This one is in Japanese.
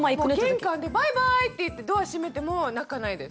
玄関でバイバーイって言ってドア閉めても泣かないです。